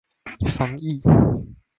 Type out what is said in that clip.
防疫